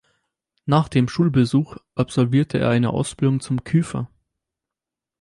Nach dem Schulbesuch absolvierte er eine Ausbildung zum Küfer.